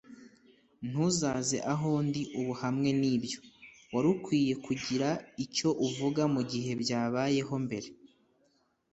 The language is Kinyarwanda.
Ntuzaze aho ndi ubu hamwe nibyo. Wari ukwiye kugira icyo uvuga mugihe byabayeho mbere.